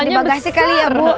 ini tolong dibagasi kali ya bu